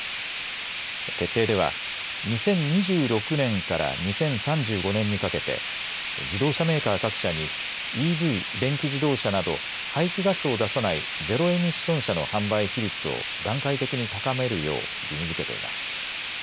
決定では２０２６年から２０３５年にかけて自動車メーカー各社にＥＶ・電気自動車など排気ガスを出さないゼロエミッション車の販売比率を段階的に高めるよう義務づけています。